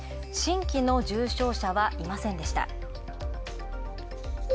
新規の重症者はいませんでした。